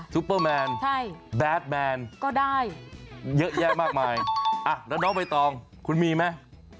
ซุปเปอร์แมนแบดแมนก็ได้เยอะแยะมากมายแล้วน้องใบตองคุณมีไหม